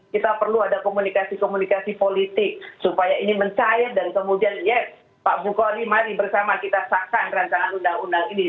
kita perlu ada komunikasi komunikasi politik supaya ini mencair dan kemudian ya pak bukori mari bersama kita sahkan rancangan undang undang ini